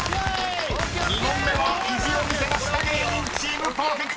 ［２問目は意地を見せました芸人チームパーフェクト！］